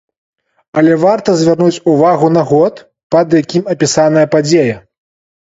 Але варта звярнуць увагу на год, пад якім апісаная падзея.